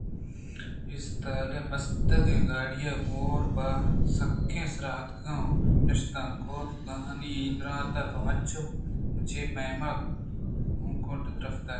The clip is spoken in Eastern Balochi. اِسِتلّءِبستگیں گاڑی ءِ گوٛرباسکے سرا اتکءُ نِشت ءُ گوٛراآئیءَدرّائینت تو چہ پیم کُنٹ رفتارئے!